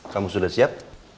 kamu sudah siap